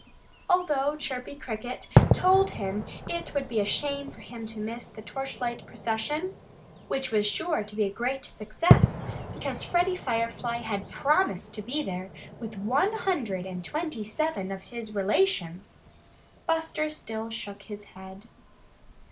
Although Chirpy Cricket told him it would be a shame for him to miss the torchlight procession, which was sure to be a great success, because Freddie Firefly had promised to be there with one hundred and twenty seven of his relations, Buster still shook his head.